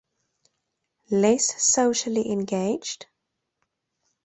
Less Socially Engaged?